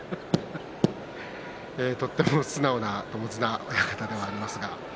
とっても素直な友綱親方ではあります。